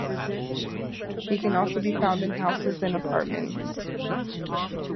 They can also be found in houses and apartments.